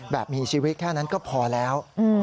แบบมีชีวิตแค่นั้นก็พอแล้ว